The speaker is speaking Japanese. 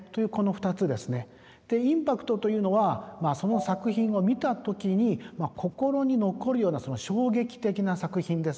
インパクトというのはその作品を見た時に心に残るような衝撃的な作品ですね。